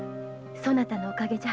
そなたのおかげじゃ。